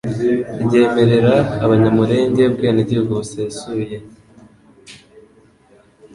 ryemerera Abanyamulenge ubwenegihugu busesuye.